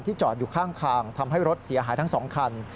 จอดอยู่ข้างทางทำให้รถเสียหายทั้ง๒คัน